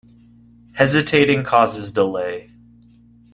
Hesitating causes delay.